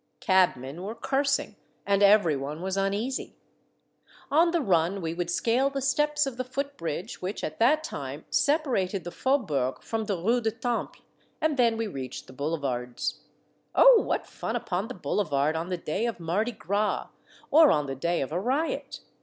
Cabmen were cursing, and every one was uneasy. On the run we would scale the steps of the foot bridge which at that time separated the faubourg from the Rue du Temple, and then we reached the boulevards. Oh ! what fun upon the boulevard on the day of mardi gras or on the day of a riot